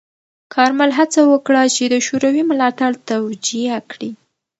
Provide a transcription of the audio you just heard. کارمل هڅه وکړه چې د شوروي ملاتړ توجیه کړي.